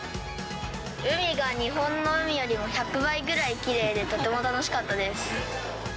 海が日本の海よりも１００倍ぐらいきれいで、とても楽しかったです。